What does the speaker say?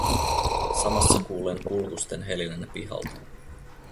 Samassa kuulen kulkusten helinän pihalta.